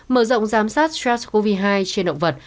mở rộng giám sát sars cov hai trên động vật